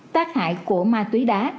tác hại của ma túi đá